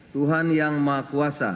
tuhan yang maha kuasa